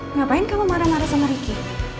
ngapain kamu marah marah sama ricky